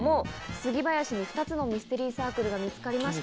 杉林に２つのミステリーサークルが見つかりました。